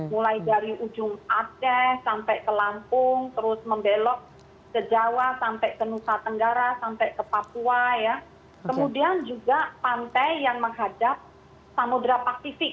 mulai dari ujung aceh sampai ke lampung terus membelok ke jawa sampai ke nusa tenggara sampai ke papua kemudian juga pantai yang menghadap samudera pasifik